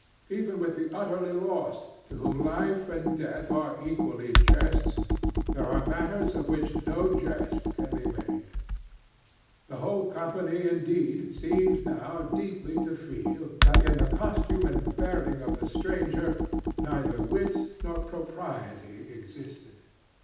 Even with the utterly lost, to whom life and death are equally jests, there are matters of which no jest can be made. The whole company, indeed, seemed now deeply to feel that in the costume and bearing of the stranger neither wit nor propriety existed.